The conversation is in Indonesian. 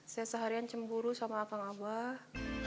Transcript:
saya seharian cemburu sama kang abah